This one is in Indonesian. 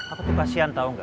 aku tuh kasihan tau gak